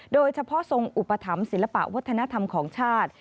โดยเฉพาะทรงอุปถัมภ์ศิลปะวัฒนธรรมของชาติ